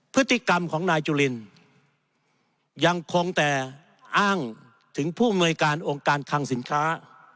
พฤติกรรมของนายจุลินยังคงแต่อ้างถึงผู้อำนวยการองค์การคังสินค้า